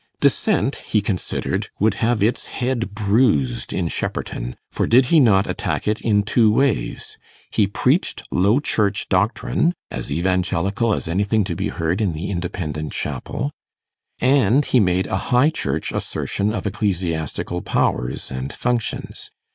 Dissent, he considered, would have its head bruised in Shepperton, for did he not attack it in two ways? He preached Low Church doctrine as evangelical as anything to be heard in the Independent Chapel; and he made a High Church assertion of ecclesiastical powers and functions.